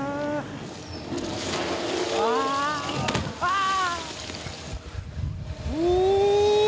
ああ。